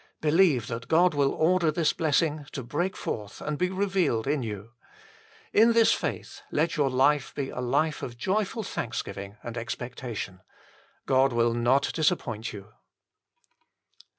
Believe that God will order this blessing to break forth and be revealed in you. In this faith let your life be a life of joyful thanksgiving and expectation. God will not dis appoint you.